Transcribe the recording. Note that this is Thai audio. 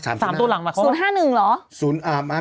๓ตัวหลังเหรอครับ๐๕๑หรอ